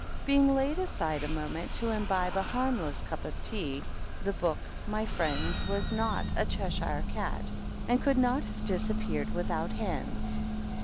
Being laid aside a moment to imbibe a harmless cup of tea, the book, my friends, was not a Cheshire cat, and could not have disap peared without hands.